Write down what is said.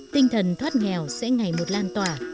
tinh thần thoát nghèo sẽ ngày một lan tỏa